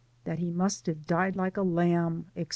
— that he must have died like a lamb, &c.